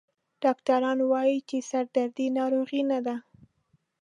ډاکټران وایي چې سردردي ناروغي نه ده.